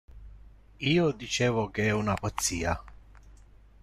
Io dicevo che è una pazzia.